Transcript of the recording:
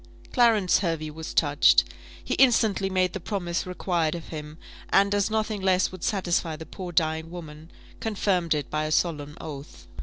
Clarence Hervey was touched. He instantly made the promise required of him; and, as nothing less would satisfy the poor dying woman, confirmed it by a solemn oath.